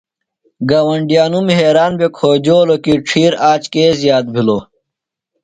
گاوۡنڈیانوم حیران بھےۡ کھوجولوکی ڇھیر آج کےۡ زیات بھِلو۔ۡ